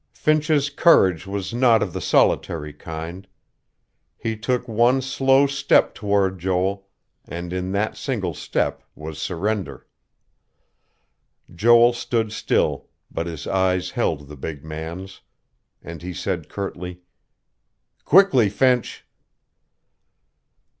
Finch's courage was not of the solitary kind. He took one slow step toward Joel, and in that single step was surrender. Joel stood still, but his eyes held the big man's; and he said curtly: "Quickly, Finch."